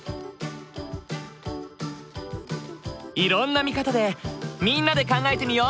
いろんな見方でみんなで考えてみよう！